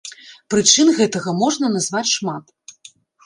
Прычын гэтага можна назваць шмат.